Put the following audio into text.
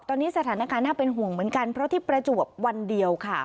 ตอนนี้สถานการณ์น่าเป็นห่วงเหมือนกันเพราะที่ประจวบวันเดียวค่ะ